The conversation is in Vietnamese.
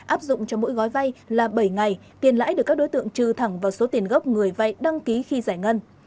áp dụng cho mỗi gói vay là bảy ngày tiền lãi được các đối tượng trừ thẳng vào số tiền gốc người vay đăng ký khi giải ngân